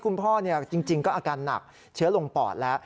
คุณพ่อจริงก็อาการหนักเชื้อลงปอดแล้ว